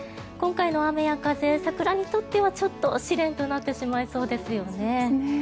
今回の雨や風、桜にとってはちょっと試練となってしまいそうですよね。